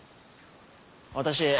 私。